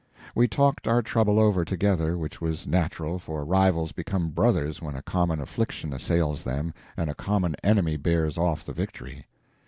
We talked our trouble over together, which was natural, for rivals become brothers when a common affliction assails them and a common enemy bears off the victory.